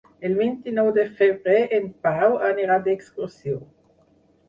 El vint-i-nou de febrer en Pau anirà d'excursió.